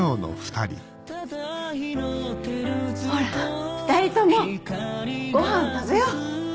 ほら２人ともごはん食べよう。